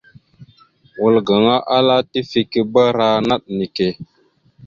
Wal gaŋa ala : tifekeberánaɗ neke.